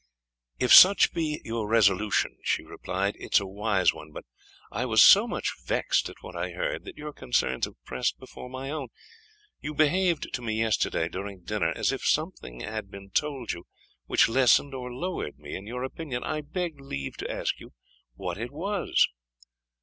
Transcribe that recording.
"If such be your resolution," she replied, "it is a wise one. But I was so much vexed at what I heard, that your concerns have pressed before my own, You behaved to me yesterday, during dinner, as if something had been told you which lessened or lowered me in your opinion I beg leave to ask you what it was?"